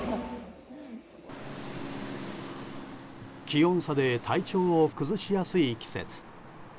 気温差で体調を崩しやすい季節。